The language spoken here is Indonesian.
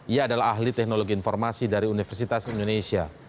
ia adalah ahli teknologi informasi dari universitas indonesia